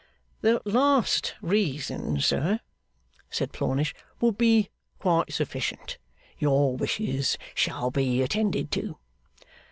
'The last reason, sir,' said Plornish, 'would be quite sufficient. Your wishes shall be attended to.